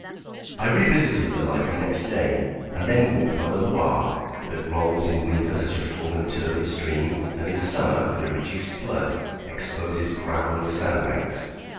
I revisited the library next day, and then walked by the Loire, that rolls in winter such a full and turbid stream, and in summer, with a reduced flood, exposes gravel and sand banks.